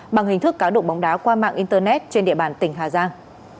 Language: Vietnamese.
bằng hình thức cá độ bóng đá qua mạng internet trên địa bàn tỉnh hà giang